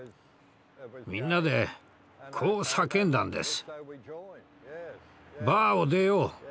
みんなでこう叫んだんです。